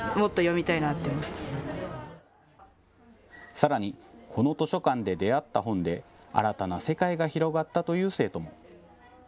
さらにこの図書館で出会った本で新たな世界が広がったという生徒も。